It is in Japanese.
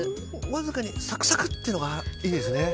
わずかにサクサクってのがいいですね。